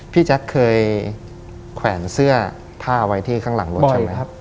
แจ๊คเคยแขวนเสื้อผ้าไว้ที่ข้างหลังรถใช่ไหมครับ